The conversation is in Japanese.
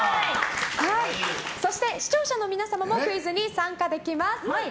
そして視聴者の皆様もクイズに参加できます。